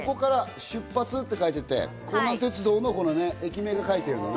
ここから「出発」と書いてあって、弘南鉄道の駅名が書いてあるんですね。